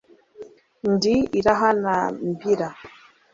indi irahanambira »